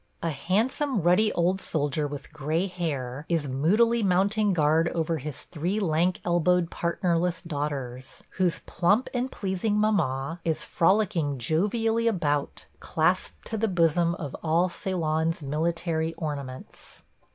A handsome ruddy old soldier with gray hair is moodily mounting guard over his three lank elbowed partnerless daughters, whose plump and pleasing mamma is frolicking jovially about, clasped to the bosom of all Ceylon's military ornaments.